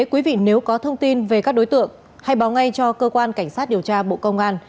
quý vị nếu có thông tin về các đối tượng hãy báo ngay cho cơ quan cảnh sát điều tra bộ công an